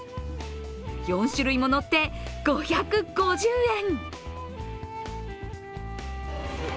４種類も乗って５５０円。